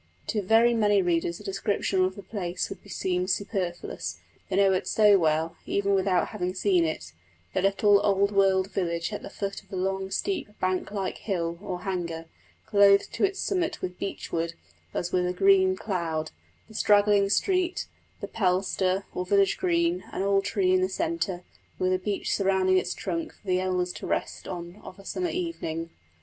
To very many readers a description of the place would seem superfluous. They know it so well, even without having seen it; the little, old world village at the foot of the long, steep, bank like hill, or Hanger, clothed to its summit with beech wood as with a green cloud; the straggling street, the Plestor, or village green, an old tree in the centre, with a bench surrounding its trunk for the elders to rest on of a summer evening.